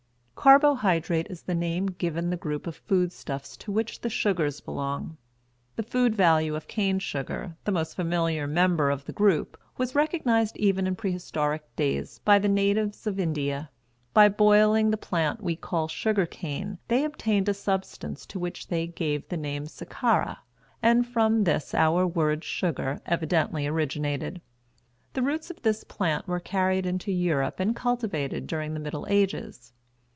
Carbohydrate is the name given the group of foodstuffs to which the sugars belong. The food value of cane sugar, the most familiar member of the group, was recognized even in prehistoric days by the natives of India. By boiling the plant we call sugar cane they obtained a substance to which they gave the name Sakkara, and from this our word sugar evidently originated. The roots of this plant were carried into Europe and cultivated during the Middle Ages.